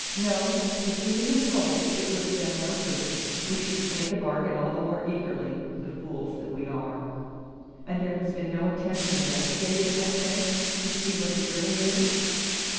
No; if we had been told, it would have done no good, we should have made the bargain all the more eagerly, the fools that we are. "And there has been no attempt to investigate it," I said, "to see what it really is?"